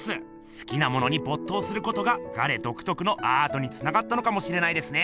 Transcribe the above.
すきなものにぼっ頭することがガレどくとくのアートにつながったのかもしれないですね！